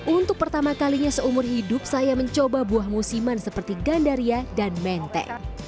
untuk pertama kalinya seumur hidup saya mencoba buah musiman seperti gandaria dan menteng